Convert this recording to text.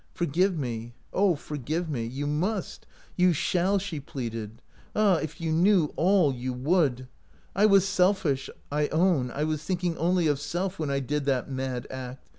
" Forgive me, oh, forgive me ! You must! You shall!" she pleaded. "Ah, if you knew all, you would/ I was selfish, I own. I was thinking only of self when I did that mad act.